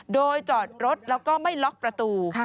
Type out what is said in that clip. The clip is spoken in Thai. โดยจอดรถแล้วก็ไม่ล็อกประตู